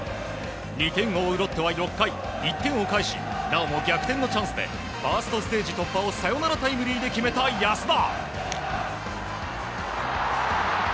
２点を追うロッテは６回１点を返しなおも逆転のチャンスでファーストステージ突破をサヨナラタイムリーで決めた安田。